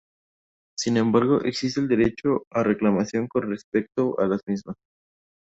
Sin embargo existe el derecho a reclamación con respecto a las mismas.